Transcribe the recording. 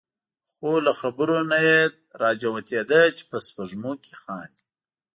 خو له خبرو نه یې را جوتېده چې په سپېږمو کې خاندي.